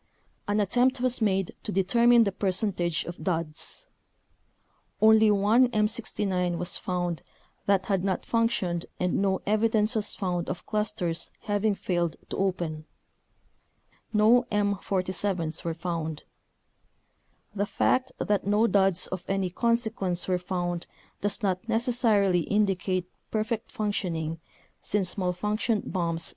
An attempt was made to determine the percentage of duds. Only one M69 was found that had not functioned and no evidence was found of clusters having failed to open. No M47's were found. The fact that no duds of any consequence were found does not necessarily indicate perfect functioning since malfunctioned bombs will detonate in a fire.